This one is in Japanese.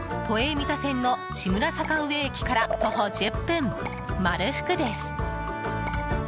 三田線の志村坂上駅から徒歩１０分、丸福です。